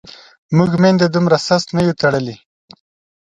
موږ میندو دومره سست نه یو تړلي.